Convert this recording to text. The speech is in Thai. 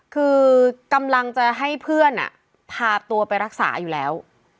คือกำลังจะให้เพื่อนพาตัวไปรักษาอยู่แล้ว